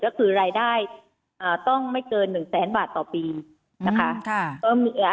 ก็คือรายได้ต้องไม่เกินหนึ่งแสนบาทต่อปีนะคะ